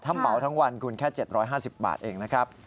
ถ้าเหมาทั้งวันคุณแค่๗๕๐บาทเองนะครับ